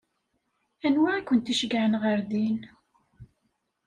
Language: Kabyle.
Anwa i kent-iceyyɛen ɣer din?